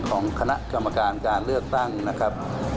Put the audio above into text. ของคณะกรรมการการเลือกตั้งนะครับ